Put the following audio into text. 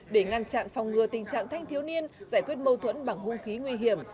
để ngăn chặn phòng ngừa tình trạng thanh thiếu niên giải quyết mâu thuẫn bằng hung khí nguy hiểm